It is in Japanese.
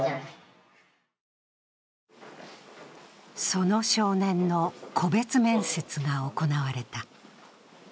その少年の個別面接が行われた。